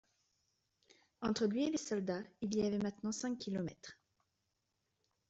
Entre lui et les soldats il y avait maintenant cinq kilomètres.